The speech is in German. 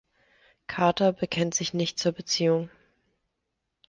Carter bekennt sich nicht zur Beziehung.